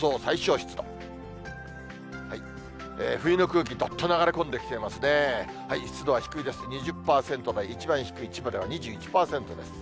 湿度は低いです、２０％の一番低い千葉では２１％です。